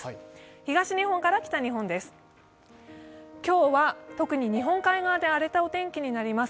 東日本から北日本です。